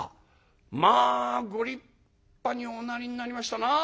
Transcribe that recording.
まあご立派におなりになりましたな」。